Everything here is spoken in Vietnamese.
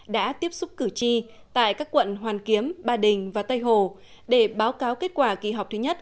đã tiếp xúc cử tri tại các quận hoàn kiếm ba đình và tây hồ để báo cáo kết quả kỳ họp thứ nhất